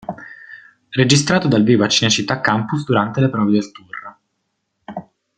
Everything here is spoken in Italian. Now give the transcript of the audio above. Registrato dal vivo a Cinecittà Campus durante le prove del tour.